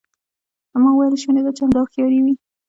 ما وویل شونې ده چې همدا هوښیاري وي.